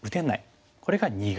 これが「二眼」。